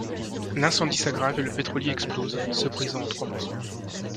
L'incendie s'aggrave et le pétrolier explose, se brisant en trois morceaux.